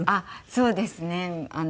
そうですね。